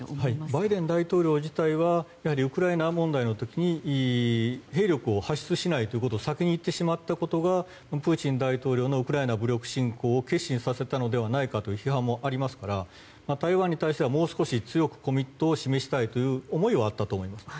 バイデン大統領自体はウクライナ問題の時に兵力を派出しないということを先に言ってしまったことがプーチン大統領のウクライナ武力侵攻を決心させたのではないかという批判もありますから台湾に対してはもう１つ強くコミットメントを示したいという思いはあったと思います。